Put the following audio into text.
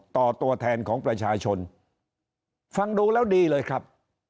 ตัวแทนของประชาชนฟังดูแล้วดีเลยครับ